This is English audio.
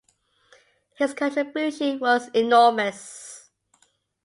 His contribution was enormous.